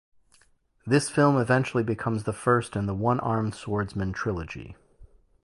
This film eventually becomes the first in the "One-Armed Swordsman" trilogy.